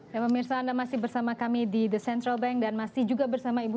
jangan lupa subscribe like share dan share